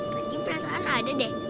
nanti perasaan ada deh